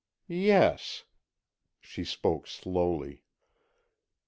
"Yes," she spoke slowly.